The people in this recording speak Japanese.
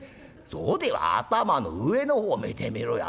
そうでは頭の上の方見てみろや」。